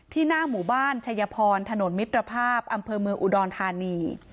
หน้าหมู่บ้านชัยพรถนนมิตรภาพอำเภอเมืองอุดรธานี